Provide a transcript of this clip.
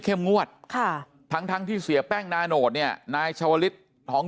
เข้มงวดค่ะทั้งที่เสียแป้งนาโนดเนี่ยนายชาวริสท้อง